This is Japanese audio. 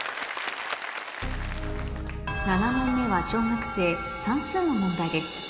７問目は小学生算数の問題です